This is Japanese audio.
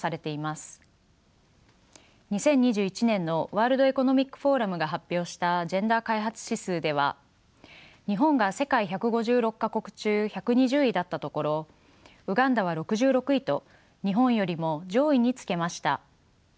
２０２１年のワールド・エコノミック・フォーラムが発表したジェンダー開発指数では日本が世界１５６か国中１２０位だったところウガンダは６６位と日本よりも上位につけました。